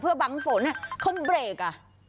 เพื่อบังฝนอะเข้าเร็กอะ